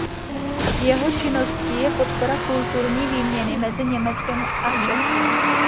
Jeho činností je podpora kulturní výměny mezi Německem a Českem.